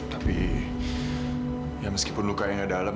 tapi ya meskipun luka yang tidak dalam